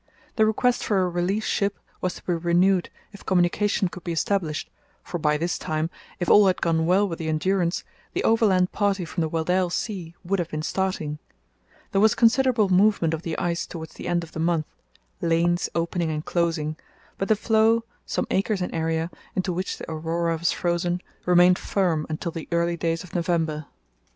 The request for a relief ship was to be renewed if communication could be established, for by this time, if all had gone well with the Endurance, the overland party from the Weddell Sea would have been starting. There was considerable movement of the ice towards the end of the month, lanes opening and closing, but the floe, some acres in area, into which the Aurora was frozen, remained firm until the early days of November.